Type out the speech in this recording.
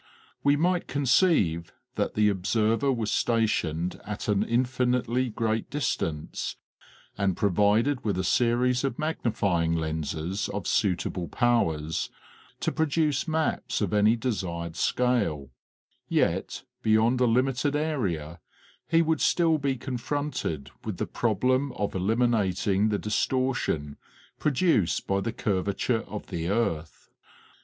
We might conceive that the observer was stationed at an infi nitely great distance, and provided with a series of magnifying lenses of suitable powers to produce maps of any desired scale, yet, beyond a limited area, he would still be confronted with the problem of eliminating the distortion produced by the curvature of the earth.